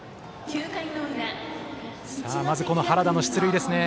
まず原田の出塁ですね。